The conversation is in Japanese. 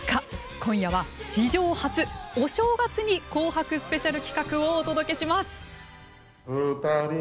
今夜は史上初、お正月に「紅白」スペシャル企画をお届けします。